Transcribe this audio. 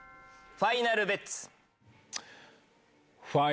ファイナルベッツ。